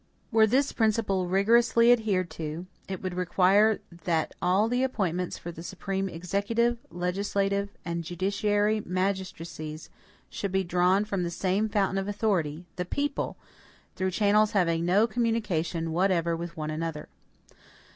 Were this principle rigorously adhered to, it would require that all the appointments for the supreme executive, legislative, and judiciary magistracies should be drawn from the same fountain of authority, the people, through channels having no communication whatever with one another.